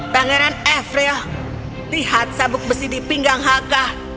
pangeran everio lihat sabuk besi di pinggang haka